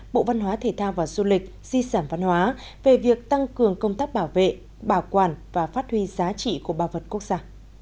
bộ văn hóa thể thao và du lịch di sản văn hóa về việc tăng cường công tác bảo vệ bảo quản và phát huy giá trị của bảo vật quốc gia